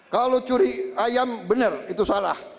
kalau curi ayam benar itu salah